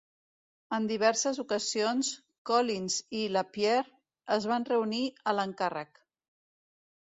En diverses ocasions, Collins i Lapierre es van reunir a l'encàrrec.